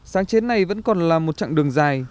sáng chế này vẫn còn là một chặng đường dài